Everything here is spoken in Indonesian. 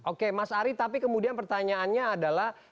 oke mas ari tapi kemudian pertanyaannya adalah